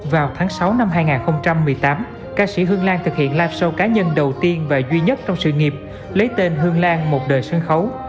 vào tháng sáu năm hai nghìn một mươi tám ca sĩ hương lan thực hiện live show cá nhân đầu tiên và duy nhất trong sự nghiệp lấy tên hương lan một đời sân khấu